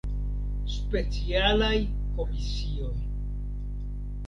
Specialaj Komisioj.